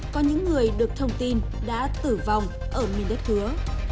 có những người được thông tin đã tử vong ở miền đất hứa